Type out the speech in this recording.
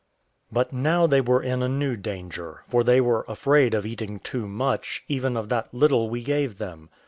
But now they were in a new danger; for they were afraid of eating too much, even of that little we gave them.